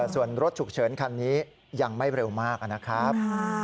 ส่วนรถฉุกเฉินคันนี้ยังไม่เร็วมากนะครับ